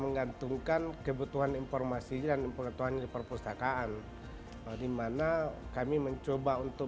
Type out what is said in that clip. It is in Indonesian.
menggantungkan kebutuhan informasi dan pengetahuan di perpustakaan dimana kami mencoba untuk